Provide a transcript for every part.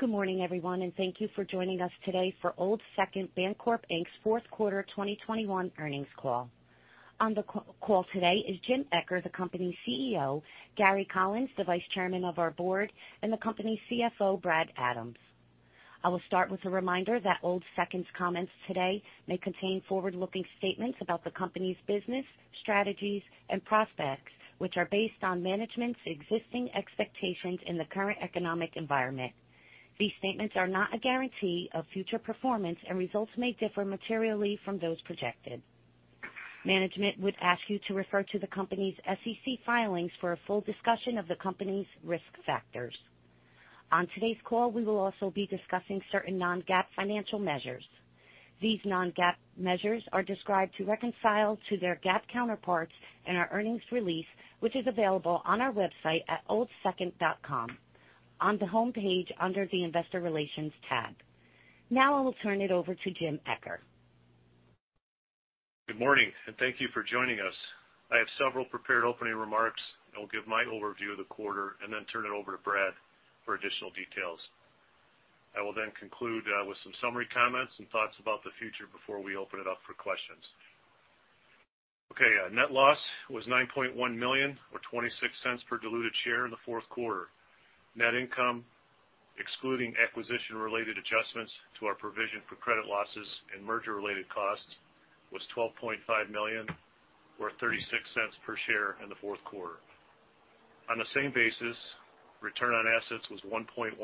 Good morning, everyone, and thank you for joining us today for Old Second Bancorp, Inc.'s fourth quarter 2021 earnings call. On the call today is James Eccher, the company's CEO, Gary Collins, the Vice Chairman of the Board, and the company's CFO, Brad Adams. I will start with a reminder that Old Second's comments today may contain forward-looking statements about the company's business, strategies, and prospects, which are based on management's existing expectations in the current economic environment. These statements are not a guarantee of future performance, and results may differ materially from those projected. Management would ask you to refer to the company's SEC filings for a full discussion of the company's risk factors. On today's call, we will also be discussing certain non-GAAP financial measures. These non-GAAP measures are described to reconcile to their GAAP counterparts in our earnings release, which is available on our website at oldsecond.com on the homepage under the Investor Relations tab. Now, I will turn it over to James Eccher. Good morning, and thank you for joining us. I have several prepared opening remarks. I will give my overview of the quarter and then turn it over to Brad for additional details. I will then conclude with some summary comments and thoughts about the future before we open it up for questions. Okay, net loss was $9.1 million or $0.26 per diluted share in the fourth quarter. Net income, excluding acquisition-related adjustments to our provision for credit losses and merger-related costs, was $12.5 million or $0.36 per share in the fourth quarter. On the same basis, return on assets was 1.15%,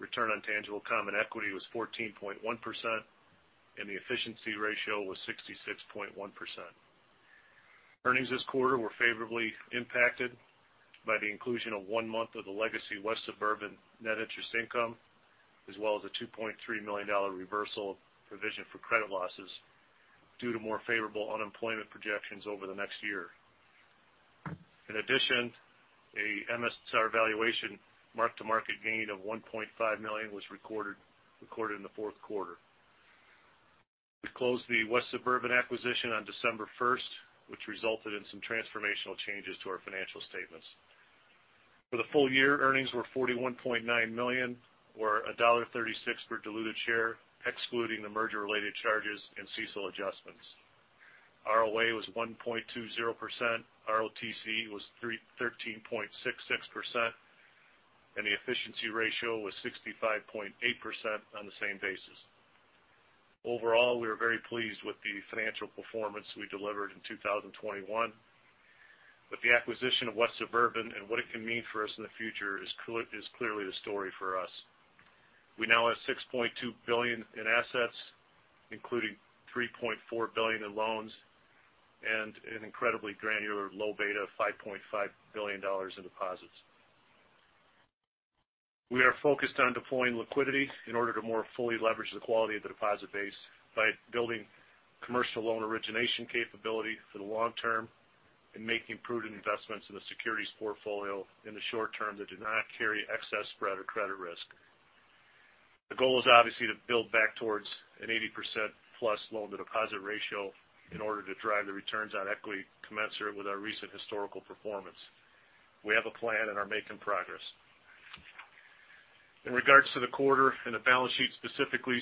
return on tangible common equity was 14.1%, and the efficiency ratio was 66.1%. Earnings this quarter were favorably impacted by the inclusion of one month of the legacy West Suburban net interest income, as well as a $2.3 million reversal provision for credit losses due to more favorable unemployment projections over the next year. In addition, a MSR valuation mark-to-market gain of $1.5 million was recorded in the fourth quarter. We closed the West Suburban acquisition on December first, which resulted in some transformational changes to our financial statements. For the full year, earnings were $41.9 million or $1.36 per diluted share, excluding the merger-related charges and CECL adjustments. ROA was 1.20%, ROTC was 13.66%, and the efficiency ratio was 65.8% on the same basis. Overall, we are very pleased with the financial performance we delivered in 2021, but the acquisition of West Suburban and what it can mean for us in the future is clearly the story for us. We now have $6.2 billion in assets, including $3.4 billion in loans and an incredibly granular low beta of $5.5 billion in deposits. We are focused on deploying liquidity in order to more fully leverage the quality of the deposit base by building commercial loan origination capability for the long term and making prudent investments in the securities portfolio in the short term that do not carry excess spread or credit risk. The goal is obviously to build back towards an 80%+ loan-to-deposit ratio in order to drive the returns on equity commensurate with our recent historical performance. We have a plan and are making progress. In regards to the quarter and the balance sheet specifically,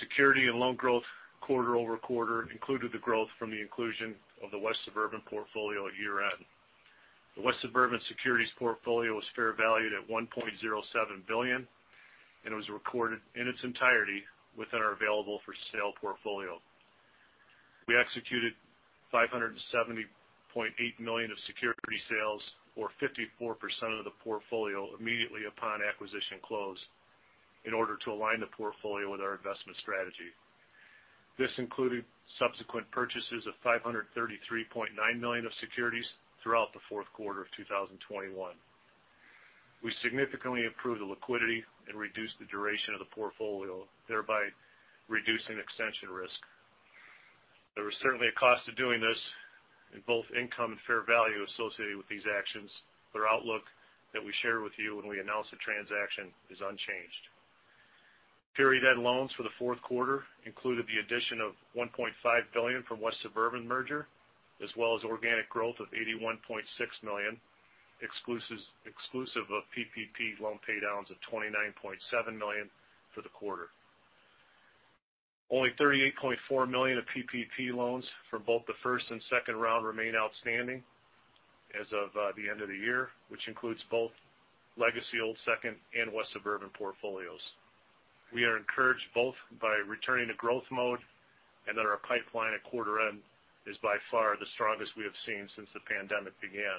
securities and loan growth quarter over quarter included the growth from the inclusion of the West Suburban portfolio at year-end. The West Suburban securities portfolio was fair valued at $1.07 billion, and it was recorded in its entirety within our available-for-sale portfolio. We executed $570.8 million of security sales or 54% of the portfolio immediately upon acquisition close in order to align the portfolio with our investment strategy. This included subsequent purchases of $533.9 million of securities throughout the fourth quarter of 2021. We significantly improved the liquidity and reduced the duration of the portfolio, thereby reducing extension risk. There was certainly a cost to doing this in both income and fair value associated with these actions. Their outlook that we shared with you when we announced the transaction is unchanged. Period-end loans for the fourth quarter included the addition of $1.5 billion from West Suburban merger as well as organic growth of $81.6 million, exclusive of PPP loan paydowns of $29.7 million for the quarter. Only $38.4 million of PPP loans for both the first and second round remain outstanding as of the end of the year, which includes both legacy Old Second and West Suburban portfolios. We are encouraged both by returning to growth mode and that our pipeline at quarter end is by far the strongest we have seen since the pandemic began.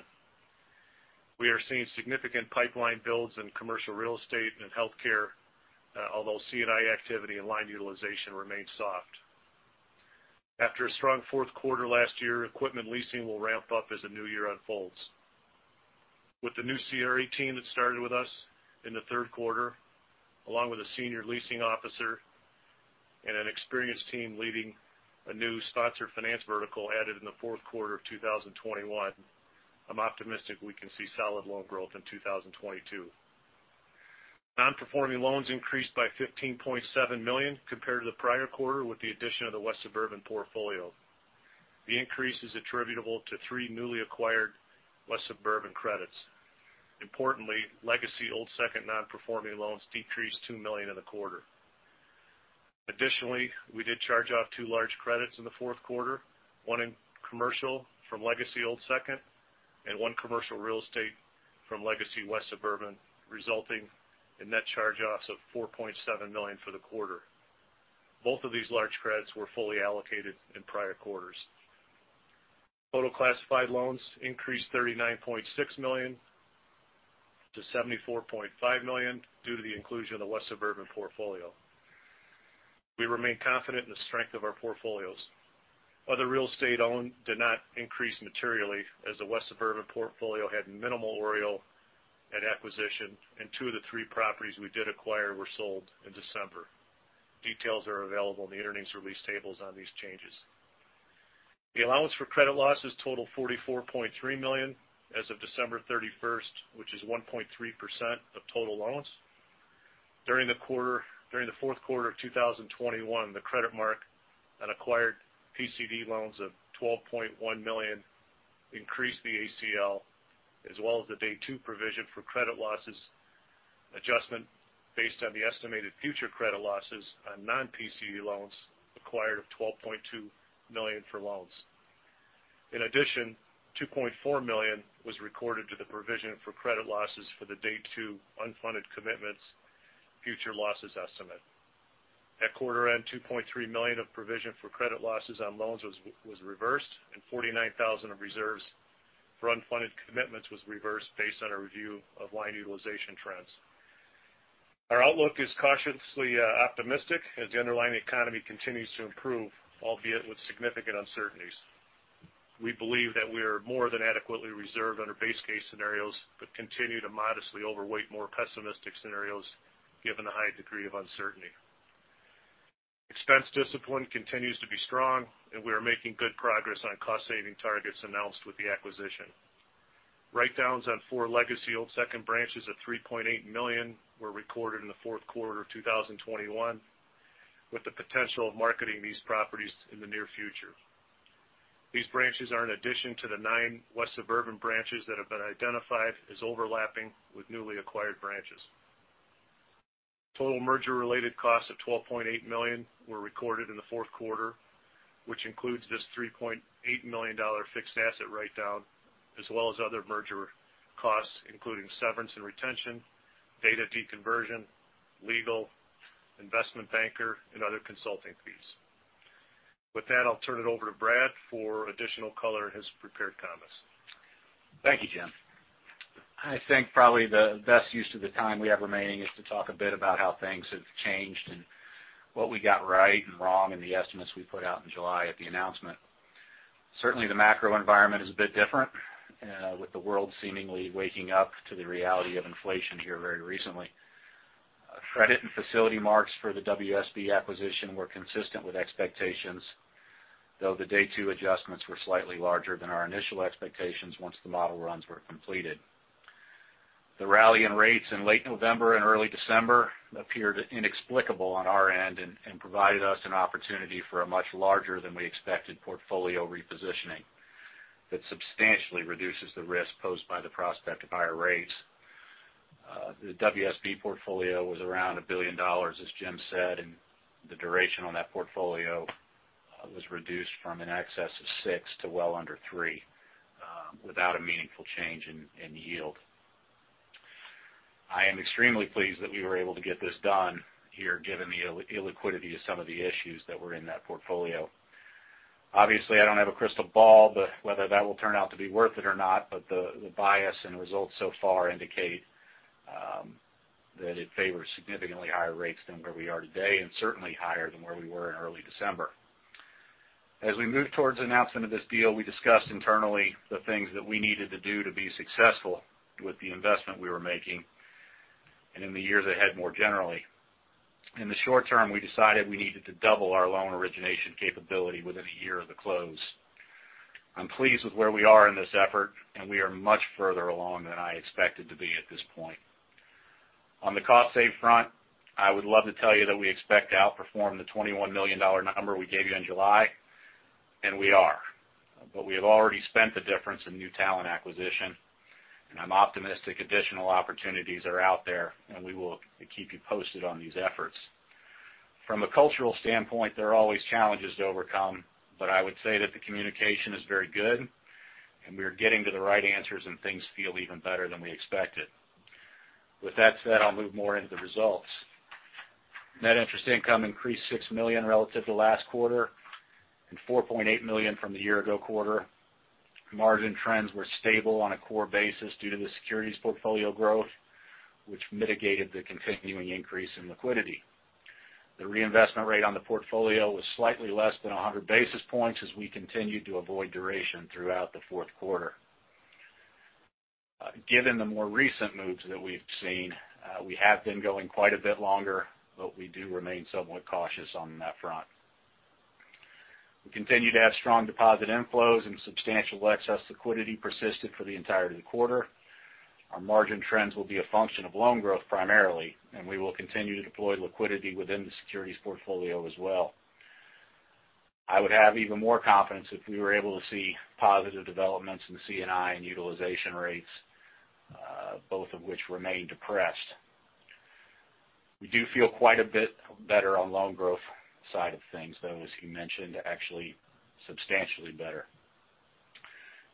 We are seeing significant pipeline builds in commercial real estate and in healthcare, although C&I activity and line utilization remain soft. After a strong fourth quarter last year, equipment leasing will ramp up as the new year unfolds. With the new CRE team that started with us in the third quarter, along with a senior leasing officer and an experienced team leading a new sponsor finance vertical added in the fourth quarter of 2021, I'm optimistic we can see solid loan growth in 2022. Nonperforming loans increased by $15.7 million compared to the prior quarter with the addition of the West Suburban portfolio. The increase is attributable to three newly acquired West Suburban credits. Importantly, legacy Old Second nonperforming loans decreased $2 million in the quarter. Additionally, we did charge off two large credits in the fourth quarter, one in commercial from legacy Old Second and one commercial real estate from legacy West Suburban, resulting in net charge-offs of $4.7 million for the quarter. Both of these large credits were fully allocated in prior quarters. Total classified loans increased $39.6 million to $74.5 million due to the inclusion of the West Suburban portfolio. We remain confident in the strength of our portfolios. Other real estate owned did not increase materially as the West Suburban portfolio had minimal OREO at acquisition, and two of the three properties we did acquire were sold in December. Details are available in the earnings release tables on these changes. The allowance for credit losses totaled $44.3 million as of December 31, which is 1.3% of total loans. During the fourth quarter of 2021, the credit mark on acquired PCD loans of $12.1 million increased the ACL, as well as the day two provision for credit losses adjustment based on the estimated future credit losses on non-PCD loans acquired of $12.2 million for loans. In addition, $2.4 million was recorded to the provision for credit losses for the day two unfunded commitments future losses estimate. At quarter end, $2.3 million of provision for credit losses on loans was reversed, and $49,000 of reserves for unfunded commitments was reversed based on a review of line utilization trends. Our outlook is cautiously optimistic as the underlying economy continues to improve, albeit with significant uncertainties. We believe that we are more than adequately reserved under base case scenarios, but continue to modestly overweight more pessimistic scenarios given the high degree of uncertainty. Expense discipline continues to be strong, and we are making good progress on cost-saving targets announced with the acquisition. Write-downs on four legacy Old Second branches of $3.8 million were recorded in the fourth quarter of 2021, with the potential of marketing these properties in the near future. These branches are in addition to the nine West Suburban branches that have been identified as overlapping with newly acquired branches. Total merger-related costs of $12.8 million were recorded in the fourth quarter, which includes this $3.8 million fixed asset write-down, as well as other merger costs, including severance and retention, data deconversion, legal, investment banker, and other consulting fees. With that, I'll turn it over to Brad for additional color in his prepared comments. Thank you, Jim. I think probably the best use of the time we have remaining is to talk a bit about how things have changed and what we got right and wrong in the estimates we put out in July at the announcement. Certainly, the macro environment is a bit different with the world seemingly waking up to the reality of inflation here very recently. Credit and facility marks for the WSB acquisition were consistent with expectations, though the day two adjustments were slightly larger than our initial expectations once the model runs were completed. The rally in rates in late November and early December appeared inexplicable on our end and provided us an opportunity for a much larger than we expected portfolio repositioning that substantially reduces the risk posed by the prospect of higher rates. The WSB portfolio was around $1 billion, as Jim said, and the duration on that portfolio was reduced from an excess of six to well under three without a meaningful change in yield. I am extremely pleased that we were able to get this done here, given the illiquidity of some of the issues that were in that portfolio. Obviously, I don't have a crystal ball, but whether that will turn out to be worth it or not, but the bias and results so far indicate that it favors significantly higher rates than where we are today, and certainly higher than where we were in early December. As we moved towards announcement of this deal, we discussed internally the things that we needed to do to be successful with the investment we were making and in the years ahead more generally. In the short term, we decided we needed to double our loan origination capability within a year of the close. I'm pleased with where we are in this effort, and we are much further along than I expected to be at this point. On the cost savings front, I would love to tell you that we expect to outperform the $21 million number we gave you in July, and we are. But we have already spent the difference in new talent acquisition, and I'm optimistic additional opportunities are out there, and we will keep you posted on these efforts. From a cultural standpoint, there are always challenges to overcome, but I would say that the communication is very good, and we are getting to the right answers, and things feel even better than we expected. With that said, I'll move more into the results. Net interest income increased $6 million relative to last quarter and $4.8 million from the year ago quarter. Margin trends were stable on a core basis due to the securities portfolio growth, which mitigated the continuing increase in liquidity. The reinvestment rate on the portfolio was slightly less than 100 basis points as we continued to avoid duration throughout the fourth quarter. Given the more recent moves that we've seen, we have been going quite a bit longer, but we do remain somewhat cautious on that front. We continue to have strong deposit inflows and substantial excess liquidity persisted for the entirety of the quarter. Our margin trends will be a function of loan growth primarily, and we will continue to deploy liquidity within the securities portfolio as well. I would have even more confidence if we were able to see positive developments in C&I and utilization rates, both of which remain depressed. We do feel quite a bit better on loan growth side of things, though, as you mentioned, actually substantially better.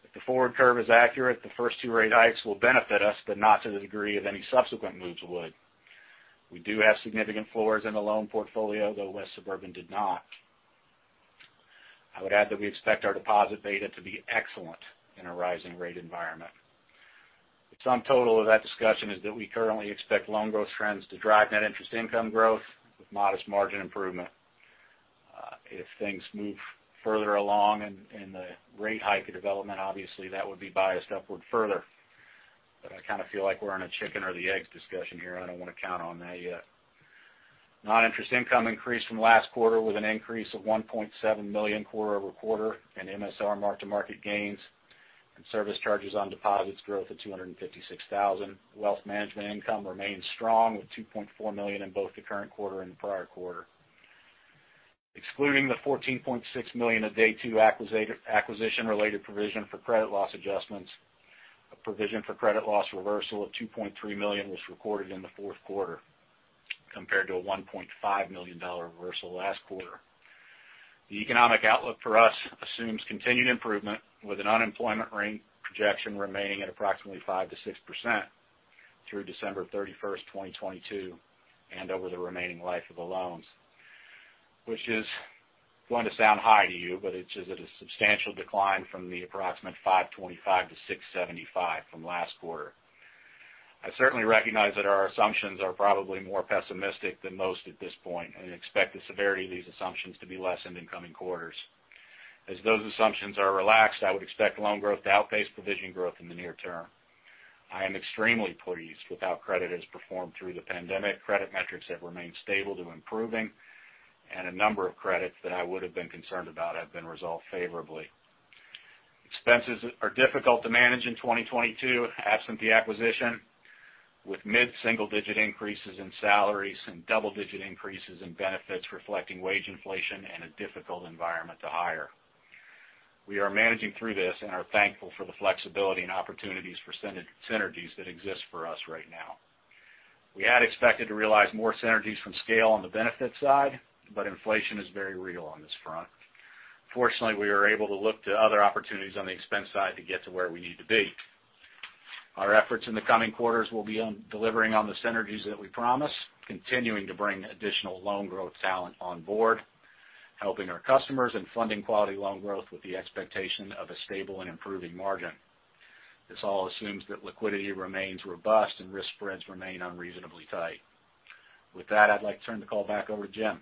If the forward curve is accurate, the first two rate hikes will benefit us, but not to the degree of any subsequent moves would. We do have significant floors in the loan portfolio, though West Suburban did not. I would add that we expect our deposit beta to be excellent in a rising rate environment. The sum total of that discussion is that we currently expect loan growth trends to drive net interest income growth with modest margin improvement. If things move further along in the rate hike development, obviously that would be biased upward further. I kind of feel like we're on a chicken or the egg discussion here. I don't want to count on that yet. Noninterest income increased from last quarter with an increase of $1.7 million quarter over quarter in MSR mark-to-market gains and service charges on deposits growth of $256,000. Wealth management income remains strong with $2.4 million in both the current quarter and the prior quarter. Excluding the $14.6 million of day two acquisition-related provision for credit loss adjustments, a provision for credit loss reversal of $2.3 million was recorded in the fourth quarter compared to a $1.5 million reversal last quarter. The economic outlook for us assumes continued improvement with an unemployment rate projection remaining at approximately 5%-6% through December 31, 2022, and over the remaining life of the loans, which is going to sound high to you, but it's just at a substantial decline from the approximate 5.25%-6.75% from last quarter. I certainly recognize that our assumptions are probably more pessimistic than most at this point, and expect the severity of these assumptions to be less in incoming quarters. As those assumptions are relaxed, I would expect loan growth to outpace provision growth in the near term. I am extremely pleased with how credit has performed through the pandemic. Credit metrics have remained stable to improving, and a number of credits that I would have been concerned about have been resolved favorably. Expenses are difficult to manage in 2022, absent the acquisition, with mid-single-digit increases in salaries and double-digit increases in benefits reflecting wage inflation and a difficult environment to hire. We are managing through this and are thankful for the flexibility and opportunities for synergies that exist for us right now. We had expected to realize more synergies from scale on the benefit side, but inflation is very real on this front. Fortunately, we are able to look to other opportunities on the expense side to get to where we need to be. Our efforts in the coming quarters will be on delivering on the synergies that we promise, continuing to bring additional loan growth talent on board, helping our customers in funding quality loan growth with the expectation of a stable and improving margin. This all assumes that liquidity remains robust and risk spreads remain unreasonably tight. With that, I'd like to turn the call back over to Jim.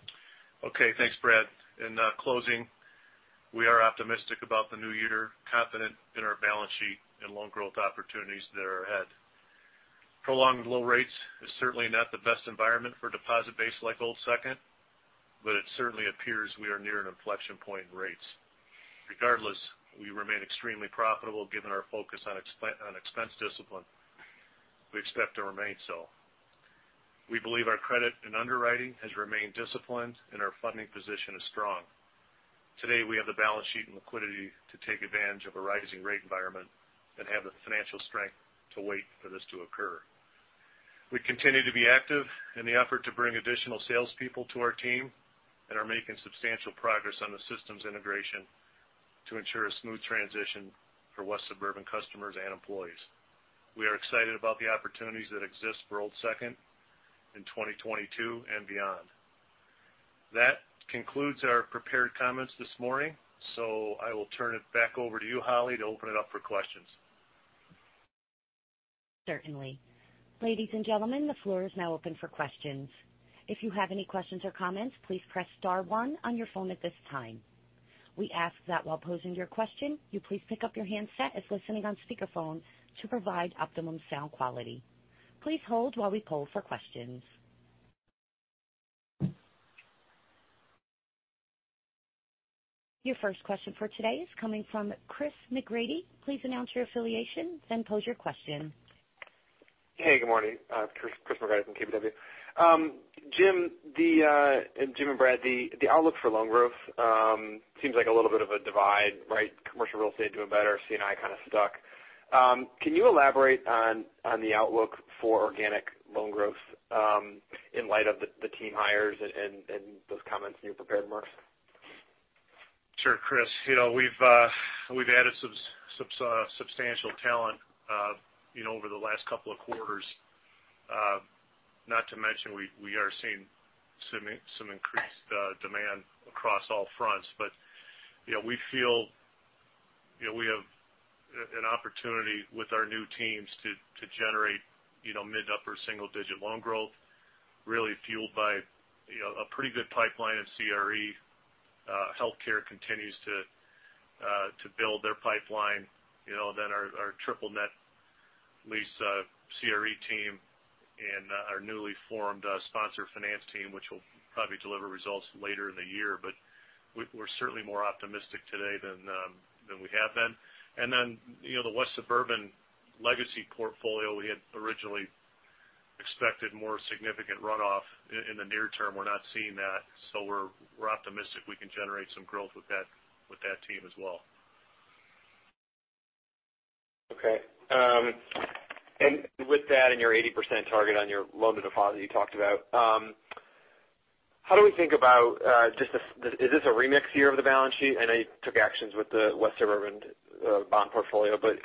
Okay, thanks, Brad. In closing, we are optimistic about the new year, confident in our balance sheet and loan growth opportunities that are ahead. Prolonged low rates is certainly not the best environment for a deposit base like Old Second, but it certainly appears we are near an inflection point in rates. Regardless, we remain extremely profitable given our focus on expense discipline. We expect to remain so. We believe our credit and underwriting has remained disciplined and our funding position is strong. Today, we have the balance sheet and liquidity to take advantage of a rising rate environment and have the financial strength to wait for this to occur. We continue to be active in the effort to bring additional salespeople to our team and are making substantial progress on the systems integration to ensure a smooth transition for West Suburban customers and employees. We are excited about the opportunities that exist for Old Second in 2022 and beyond. That concludes our prepared comments this morning, so I will turn it back over to you, Holly, to open it up for questions. Certainly. Ladies and gentlemen, the floor is now open for questions. If you have any questions or comments, please press star one on your phone at this time. We ask that while posing your question, you please pick up your handset if listening on speakerphone to provide optimum sound quality. Please hold while we poll for questions. Your first question for today is coming from Christopher McGratty. Please announce your affiliation, then pose your question. Hey, good morning. Christopher McGratty from KBW. Jim and Brad, the outlook for loan growth seems like a little bit of a divide, right? Commercial real estate doing better, C&I kind of stuck. Can you elaborate on the outlook for organic loan growth in light of the team hires and those comments in your prepared remarks? Sure, Chris. You know, we've added substantial talent, you know, over the last couple of quarters. Not to mention, we are seeing some increased demand across all fronts. You know, we feel, you know, we have an opportunity with our new teams to generate, you know, mid upper single digit loan growth, really fueled by, you know, a pretty good pipeline of CRE. Healthcare continues to build their pipeline, you know, then our triple net leases CRE team and our newly formed sponsor finance team, which will probably deliver results later in the year. We're certainly more optimistic today than we have been. You know, the West Suburban legacy portfolio, we had originally expected more significant runoff in the near term, we're not seeing that. We're optimistic we can generate some growth with that team as well. Okay. With that and your 80% target on your loan-to-deposit you talked about, how do we think about just is this a remix year of the balance sheet? I know you took actions with the West Suburban bond portfolio, but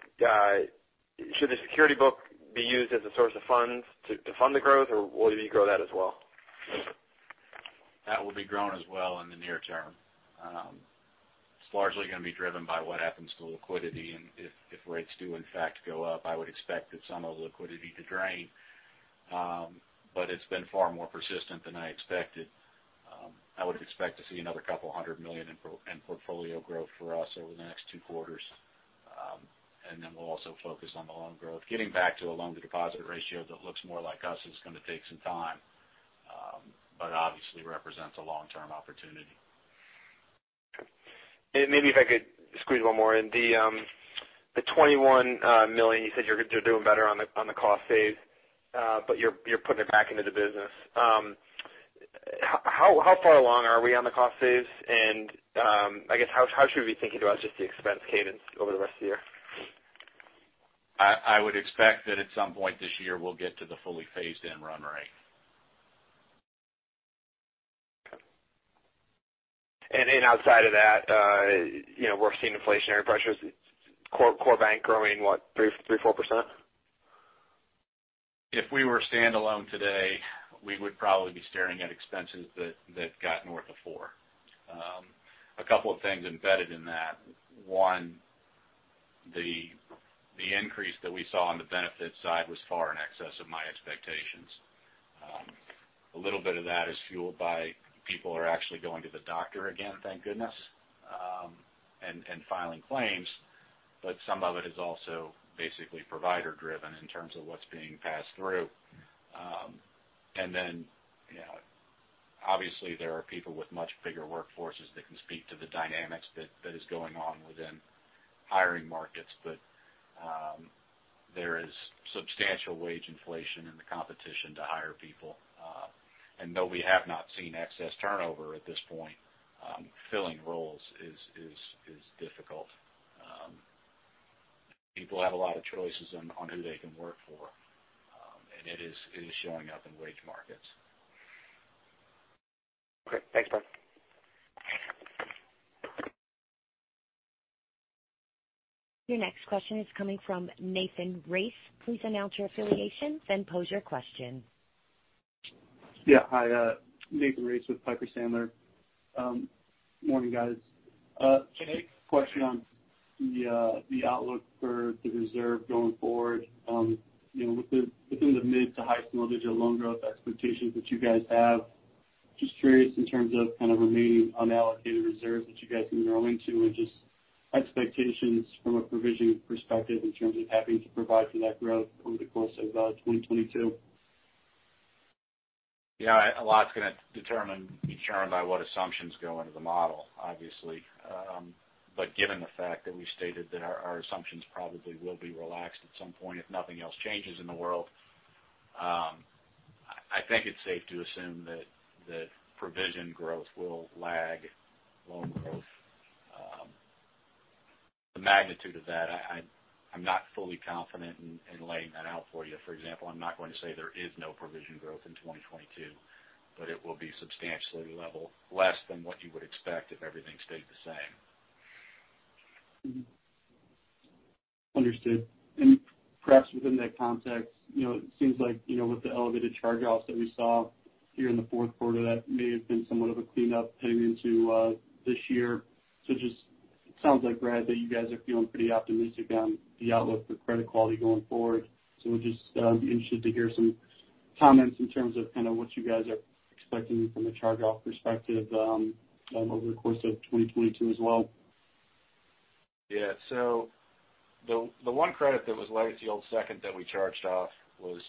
should the security book be used as a source of funds to fund the growth, or will you grow that as well? That will be grown as well in the near term. It's largely going to be driven by what happens to liquidity. If rates do in fact go up, I would expect that some of the liquidity to drain. It's been far more persistent than I expected. I would expect to see another $200 million in portfolio growth for us over the next two quarters. We'll also focus on the loan growth. Getting back to a loan-to-deposit ratio that looks more like us is going to take some time, but obviously represents a long-term opportunity. Maybe if I could squeeze one more in. The 21 million you said you're doing better on the cost save, but you're putting it back into the business. How far along are we on the cost saves? I guess how should we be thinking about just the expense cadence over the rest of the year? I would expect that at some point this year, we'll get to the fully phased in run rate. Okay. Outside of that, you know, we're seeing inflationary pressures, core bank growing, what, 3%-4%? If we were standalone today, we would probably be staring at expenses that got north of 4%. A couple of things embedded in that. One, the increase that we saw on the benefit side was far in excess of my expectations. A little bit of that is fueled by people actually going to the doctor again, thank goodness, and filing claims, but some of it is also basically provider driven in terms of what's being passed through. You know, obviously there are people with much bigger workforces that can speak to the dynamics that is going on within hiring markets. There is substantial wage inflation in the competition to hire people. Though we have not seen excess turnover at this point, filling roles is difficult. People have a lot of choices on who they can work for, and it is showing up in wage markets. Okay. Thanks, Brad. Your next question is coming from Nathan Race. Please announce your affiliation, then pose your question. Hi, Nathan Race with Piper Sandler. Morning, guys. Question on the outlook for the reserve going forward, you know, with the within the mid- to high-single-digit loan growth expectations that you guys have, just curious in terms of kind of remaining unallocated reserves that you guys can grow into and just expectations from a provision perspective in terms of having to provide for that growth over the course of 2022. Yeah, a lot's going to be determined by what assumptions go into the model, obviously. Given the fact that we stated that our assumptions probably will be relaxed at some point if nothing else changes in the world, I think it's safe to assume that provision growth will lag loan growth. The magnitude of that, I'm not fully confident in laying that out for you. For example, I'm not going to say there is no provision growth in 2022, but it will be substantially level, less than what you would expect if everything stayed the same. Understood. Perhaps within that context, you know, it seems like, you know, with the elevated charge-offs that we saw here in the fourth quarter, that may have been somewhat of a cleanup heading into this year. Just sounds like, Brad, that you guys are feeling pretty optimistic on the outlook for credit quality going forward. Just be interested to hear some comments in terms of kind of what you guys are expecting from a charge-off perspective over the course of 2022 as well. The one credit that was legacy Old Second that we charged off was.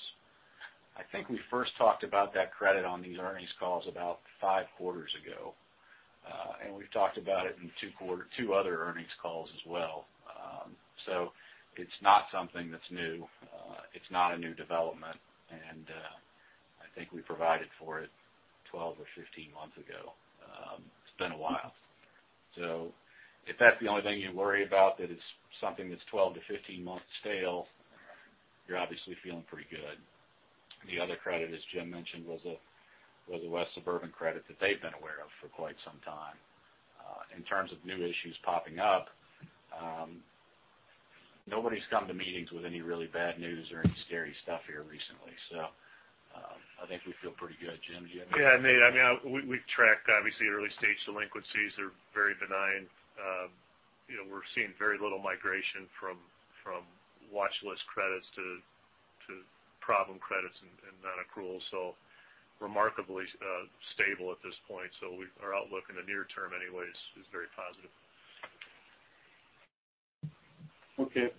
I think we first talked about that credit on these earnings calls about five quarters ago. We've talked about it in two other earnings calls as well. It's not something that's new. It's not a new development. I think we provided for it 12 or 15 months ago. It's been a while. If that's the only thing you worry about, that it's something that's 12 to 15 months stale, you're obviously feeling pretty good. The other credit, as Jim mentioned, was a West Suburban credit that they've been aware of for quite some time. In terms of new issues popping up, nobody's come to meetings with any really bad news or any scary stuff here recently. I think we feel pretty good. Jim, do you have anything? Yeah, I mean, we've tracked obviously early stage delinquencies are very benign. You know, we're seeing very little migration from watchlist credits to problem credits and non-accrual. Remarkably stable at this point. Our outlook in the near term anyway is very positive. Okay.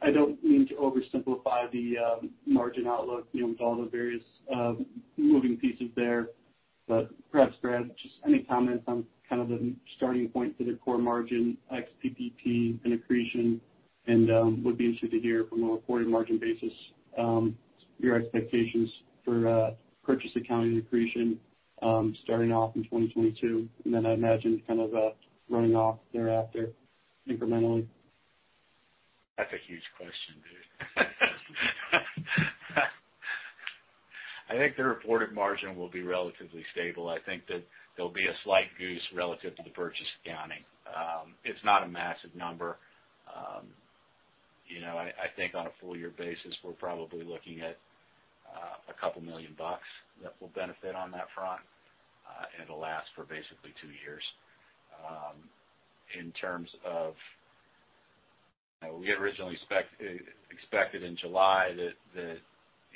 I don't mean to oversimplify the margin outlook, you know, with all the various moving pieces there, but perhaps, Brad, just any comments on kind of the starting point for the core margin ex PPP and accretion, and would be interested to hear from a reported margin basis your expectations for purchase accounting accretion starting off in 2022, and then I imagine kind of running off thereafter incrementally. That's a huge question, dude. I think the reported margin will be relatively stable. I think that there'll be a slight goose relative to the purchase accounting. It's not a massive number. You know, I think on a full year basis, we're probably looking at $2 million that we'll benefit on that front. It'll last for basically two years. In terms of. You know, we had originally expected in July that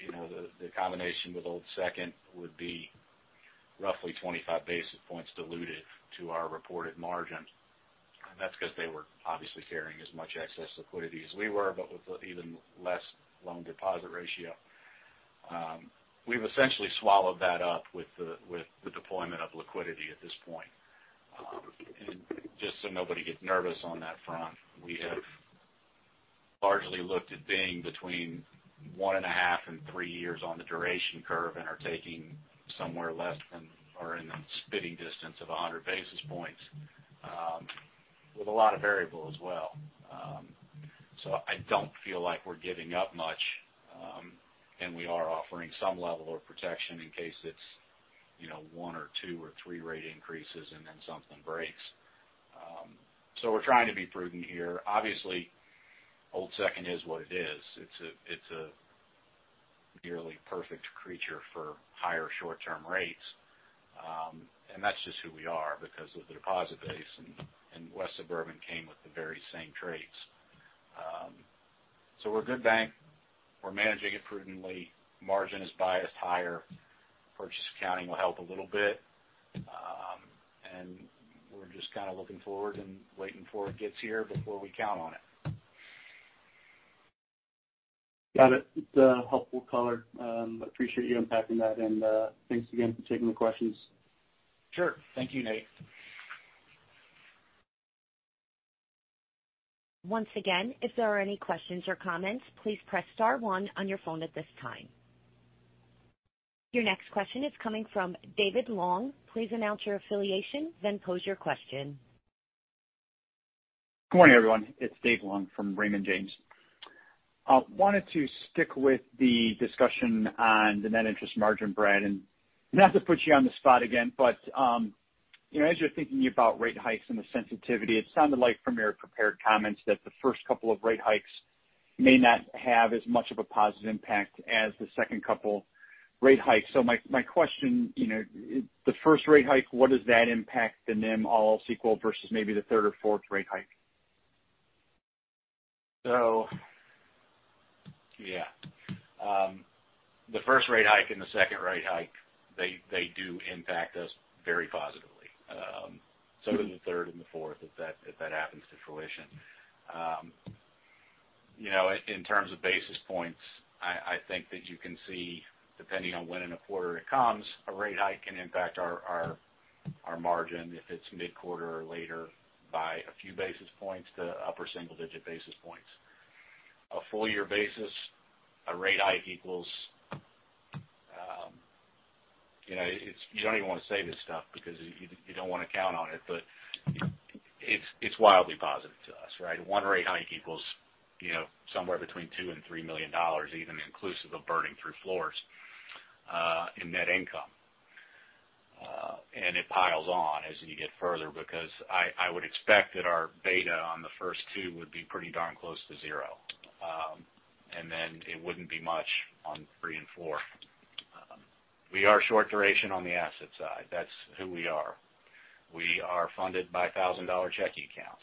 you know, the combination with Old Second would be roughly 25 basis points diluted to our reported margin. That's because they were obviously carrying as much excess liquidity as we were, but with even less loan-to-deposit ratio. We've essentially swallowed that up with the deployment of liquidity at this point. Just so nobody gets nervous on that front, we have largely looked at being between 1.5 and 3 years on the duration curve and are taking somewhere less than or in spitting distance of 100 basis points, with a lot of variable as well. I don't feel like we're giving up much, and we are offering some level of protection in case it's one, two or three rate increases and then something breaks. We're trying to be prudent here. Obviously, Old Second is what it is. It's a nearly perfect creature for higher short term rates. That's just who we are because of the deposit base, and West Suburban came with the very same traits. We're a good bank. We're managing it prudently. Margin is biased higher. Purchase accounting will help a little bit. We're just kind of looking forward and waiting for it gets here before we count on it. Got it. It's a helpful color. I appreciate you unpacking that, and thanks again for taking the questions. Sure. Thank you, Nathan. Once again, if there are any questions or comments, please press star one on your phone at this time. Your next question is coming from David Long. Please announce your affiliation, then pose your question. Good morning, everyone. It's David Long from Raymond James. I wanted to stick with the discussion on the net interest margin, Brad. Not to put you on the spot again, but, you know, as you're thinking about rate hikes and the sensitivity, it sounded like from your prepared comments that the first couple of rate hikes may not have as much of a positive impact as the second couple rate hikes. My question, you know, the first rate hike, what does that impact the NIM all else equal versus maybe the third or fourth rate hike? The first rate hike and the second rate hike, they do impact us very positively. So do the third and the fourth, if that happens to fruition. You know, in terms of basis points, I think that you can see, depending on when in a quarter it comes, a rate hike can impact our margin if it's mid-quarter or later by a few basis points to upper single digit basis points. On a full year basis, a rate hike equals, you know, it's. You don't even want to say this stuff because you don't want to count on it, but it's wildly positive to us, right? One rate hike equals, you know, somewhere between $2 million and $3 million, even inclusive of burning through floors, in net income. It piles on as you get further because I would expect that our beta on the first two would be pretty darn close to zero. It wouldn't be much on three and four. We are short duration on the asset side. That's who we are. We are funded by $1,000 checking accounts.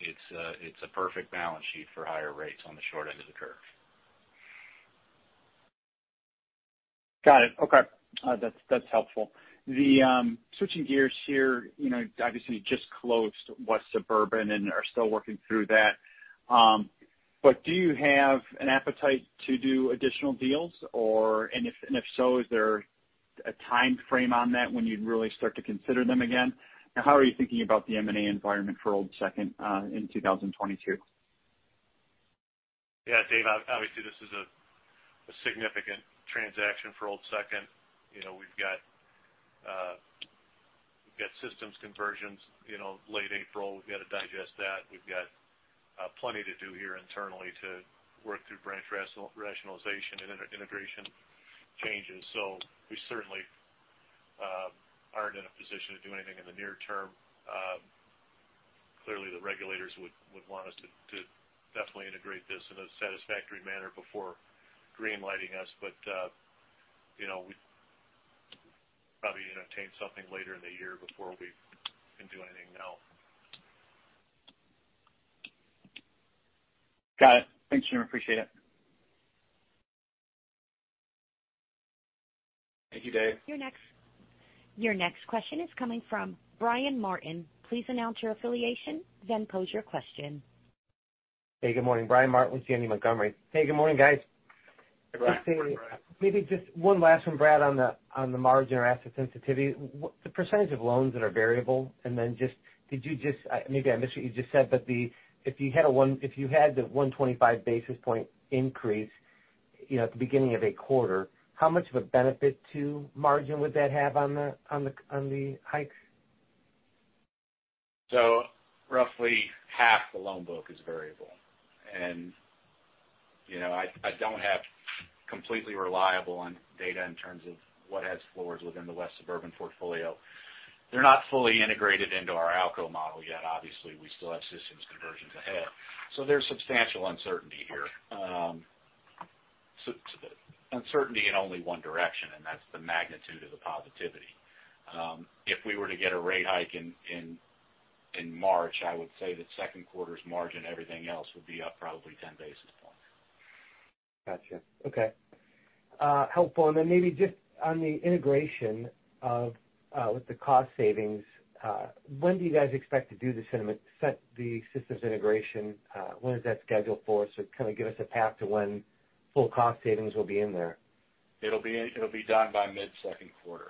It's a perfect balance sheet for higher rates on the short end of the curve. Got it. Okay. That's helpful. Switching gears here, you know, obviously you just closed West Suburban and are still working through that. Do you have an appetite to do additional deals? If so, is there a time frame on that when you'd really start to consider them again? How are you thinking about the M&A environment for Old Second in 2022? Yeah, Dave, obviously, this is a significant transaction for Old Second. You know, we've got systems conversions, you know, late April. We've got to digest that. We've got plenty to do here internally to work through branch rationalization and integration changes. We certainly aren't in a position to do anything in the near term. Clearly, the regulators would want us to definitely integrate this in a satisfactory manner before green lighting us. You know, we probably entertain something later in the year but we can't do anything now. Got it. Thanks, Jim. I appreciate it. Your next question is coming from Brian Martin. Please announce your affiliation, then pose your question. Hey, good morning, Brian Martin with Janney Montgomery Scott. Hey, good morning, guys. Good morning, Brian. Maybe just one last from Brad on the margin or asset sensitivity. What is the percentage of loans that are variable and then just did you just maybe I missed what you just said, but if you had the 125 basis point increase, you know, at the beginning of a quarter, how much of a benefit to margin would that have on the hikes? Roughly half the loan book is variable. You know, I don't have completely reliable data in terms of what has floors within the West Suburban portfolio. They're not fully integrated into our ALCO model yet. Obviously, we still have systems conversions ahead. There's substantial uncertainty here. So the uncertainty is only in one direction, and that's the magnitude of the positivity. If we were to get a rate hike in March, I would say that second quarter margin, everything else would be up probably 10 basis points. Gotcha. Okay. Helpful. Then maybe just on the integration of with the cost savings, when do you guys expect to set the systems integration, when is that scheduled for? Kind of give us a path to when full cost savings will be in there. It'll be done by mid-second quarter.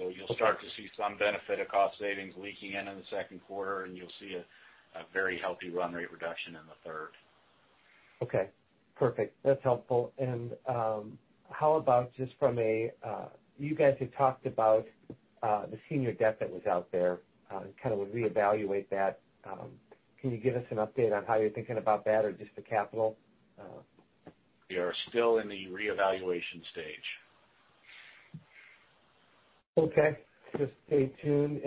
Okay. You'll start to see some benefit of cost savings leaking in the second quarter, and you'll see a very healthy run rate reduction in the third. Okay. Perfect. That's helpful. How about just from a you guys had talked about the senior debt that was out there, kind of would reevaluate that. Can you give us an update on how you're thinking about that or just the capital? We are still in the reevaluation stage. Okay. Just stay tuned.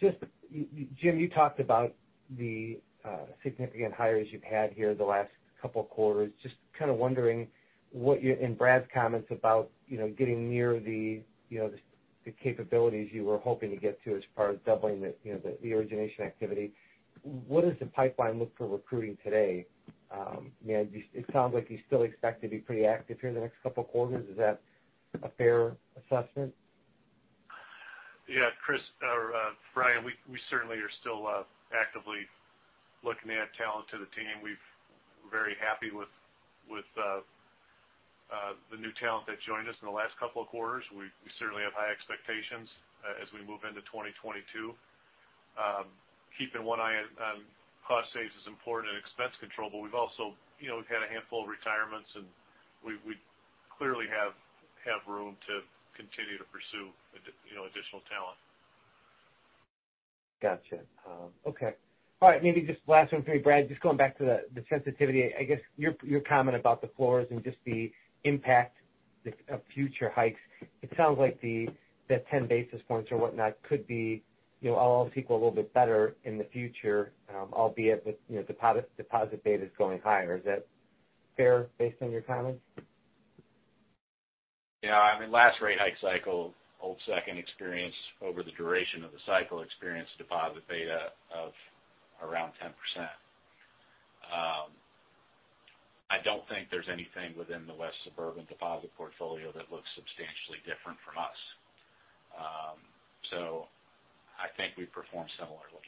Just you, Jim, you talked about the significant hires you've had here the last couple of quarters. Just kind of wondering what your and Brad's comments about, you know, getting near the, you know, the capabilities you were hoping to get to as far as doubling the, you know, the origination activity. What does the pipeline look like for recruiting today? You know, just it sounds like you still expect to be pretty active here in the next couple of quarters. Is that a fair assessment? Yeah, Chris or Brian, we certainly are still actively looking to add talent to the team. We're very happy with the new talent that joined us in the last couple of quarters. We certainly have high expectations as we move into 2022. Keeping one eye on cost savings is important and expense control, but we've also, you know, had a handful of retirements, and we clearly have room to continue to pursue additional talent. Gotcha. Okay. All right. Maybe just last one for you, Brad. Just going back to the sensitivity. I guess your comment about the floors and just the impact of future hikes. It sounds like the 10 basis points or whatnot could be, you know, all else equal, a little bit better in the future. Albeit with, you know, deposit betas going higher. Is that fair based on your comments? Yeah. I mean, last rate hike cycle, Old Second experienced over the duration of the cycle deposit beta of around 10%. I don't think there's anything within the West Suburban deposit portfolio that looks substantially different from us. So I think we perform similarly.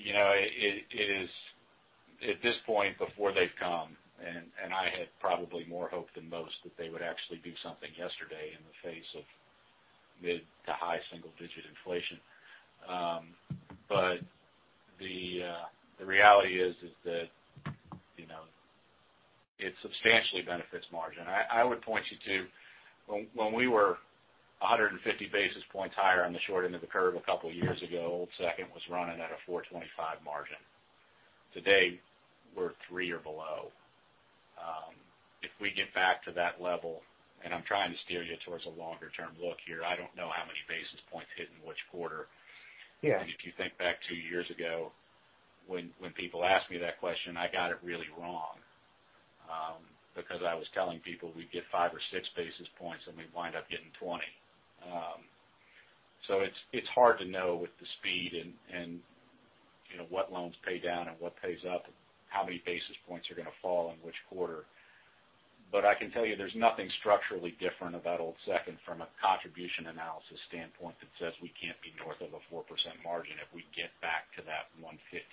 You know, it is at this point before they've come, and I had probably more hope than most that they would actually do something yesterday in the face of mid- to high single-digit inflation. But the reality is that, you know, it substantially benefits margin. I would point you to when we were 150 basis points higher on the short end of the curve a couple years ago, Old Second was running at a 4.25% margin. Today, we're 3% or below. If we get back to that level, and I'm trying to steer you towards a longer-term look here, I don't know how many basis points hit in which quarter. Yeah. If you think back two years ago when people asked me that question, I got it really wrong, because I was telling people we'd get five or six basis points, and we'd wind up getting 20. It's hard to know with the speed and you know, what loans pay down and what pays up and how many basis points are gonna fall in which quarter. I can tell you there's nothing structurally different about Old Second from a contribution analysis standpoint that says we can't be north of a 4% margin if we get back to that 1.50 type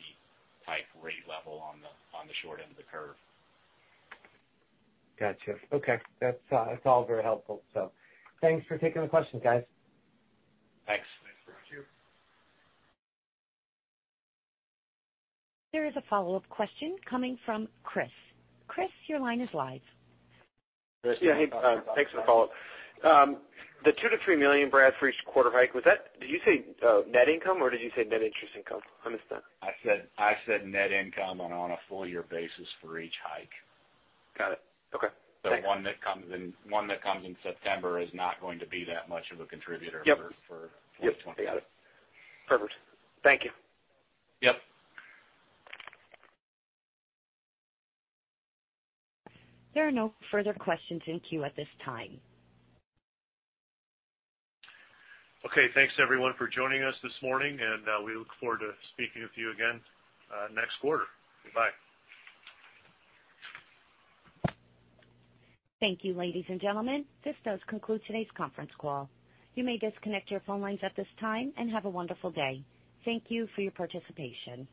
rate level on the short end of the curve. Gotcha. Okay. That's all very helpful. Thanks for taking the questions, guys. Thanks. There is a follow-up question coming from Chris. Chris, your line is live. Chris, you want to talk about. Yeah, hey, thanks for the follow-up. The $2 million-$3 million, Brad, for each quarter hike, was that, did you say net income, or did you say net interest income? I missed that. I said net income and on a full year basis for each hike. Got it. Okay. Thank you. The one that comes in September is not going to be that much of a contributor. Yep. For 2022. Yep. Got it. Perfect. Thank you. Yep. There are no further questions in queue at this time. Okay. Thanks everyone for joining us this morning, and we look forward to speaking with you again next quarter. Goodbye. Thank you, ladies and gentlemen. This does conclude today's conference call. You may disconnect your phone lines at this time and have a wonderful day. Thank you for your participation.